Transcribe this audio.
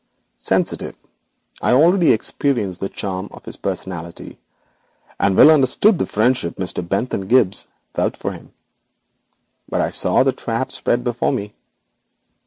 Sensitive, I already experienced the charm of his personality, and well understood the friendship Mr. Bentham Gibbes felt for him. But I saw the trap spread before me.